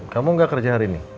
kamu gak kerja hari ini